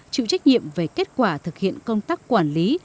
chịu trách nhiệm về kết quả thực hiện công tác quản lý